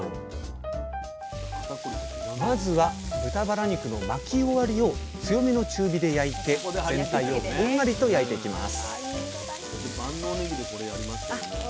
まずは豚バラ肉の巻き終わりを強めの中火で焼いて全体をこんがりと焼いていきます